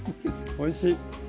おいしい。